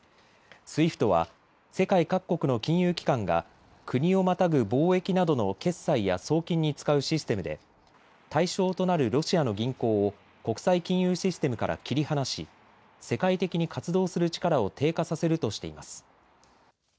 ＳＷＩＦＴは世界各国の金融機関が国をまたぐ貿易などの決済や送金に使うシステムで対象となるロシアの銀行を国際金融システムから切り離し世界的に活動する力を低下させるとしています。